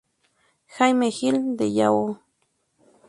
Jaime Gill de Yahoo!